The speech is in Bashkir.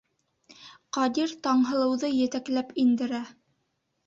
Ҡадир Таңһылыуҙы етәкләп индерә.